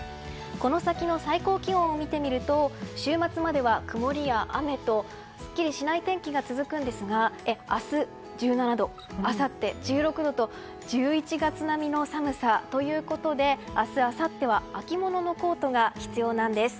この先の最高気温を見てみると週末までは曇りや雨とすっきりしない天気が続くんですが明日は１７度、あさって１６度と１１月並みの寒さということで明日あさっては秋物のコートが必要なんです。